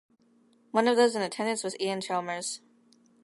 One of those in attendance was Iain Chalmers.